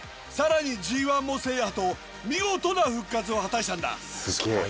さらにＧⅠも制覇と見事な復活を果たしたんだ。